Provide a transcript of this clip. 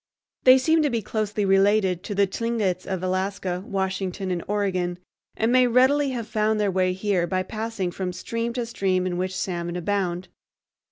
They seem to be closely related to the Tlingits of Alaska, Washington, and Oregon, and may readily have found their way here by passing from stream to stream in which salmon abound.